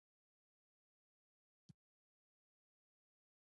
د دوی ډوډۍ حلاله ده.